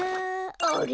あれ？